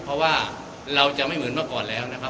เพราะว่าเราจะไม่เหมือนเมื่อก่อนแล้วนะครับ